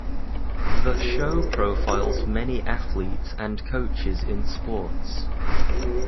The show profiles many athletes and coaches in sports.